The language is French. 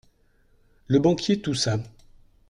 Le banquier toussa.